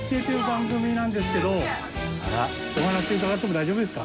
お話伺っても大丈夫ですか？